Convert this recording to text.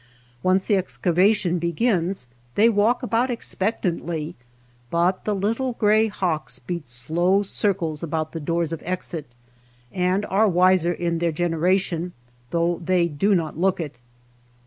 Once the ex cavation begins they walk about expec tantly, but the little gray hawks beat slow circles about the doors of exit, and are wiser in their generation, though they do not look it.